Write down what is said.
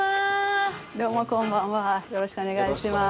よろしくお願いします。